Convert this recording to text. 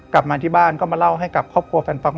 กลับมาที่บ้านก็มาเล่าให้กับครอบครัวแฟนฟัง